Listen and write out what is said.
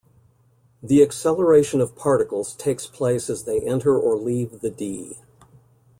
The acceleration of particles takes place as they enter or leave the dee.